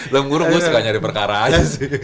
dalam ngurung gue suka nyari perkara aja sih